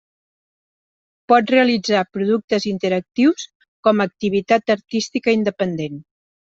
Pot realitzar productes interactius com a activitat artística independent.